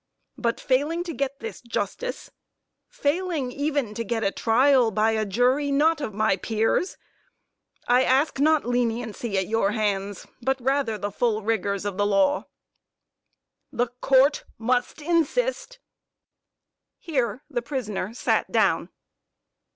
But failing to get this justice failing, even, to get a trial by a jury not of my peers I ask not leniency at your hands but rather the full rigors of the law. JUDGE HUNT The Court must insist (Here the prisoner sat down.)